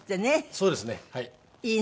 そうですねはい。